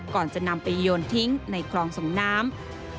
ก่อนจะนำไปโยนทิ้งในคลองส่งน้ำ